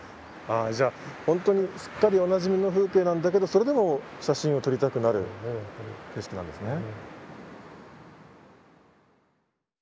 ああじゃあほんとにすっかりおなじみの風景なんだけどそれでも写真を撮りたくなる景色なんですね。